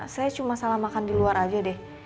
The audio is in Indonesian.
saya cuma salah makan di luar aja deh